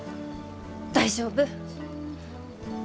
大丈夫！